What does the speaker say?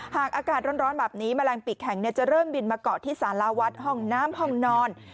อากาศร้อนแบบนี้แมลงปีกแข็งจะเริ่มบินมาเกาะที่สาราวัดห้องน้ำห้องนอน